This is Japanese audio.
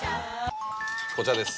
こちらです。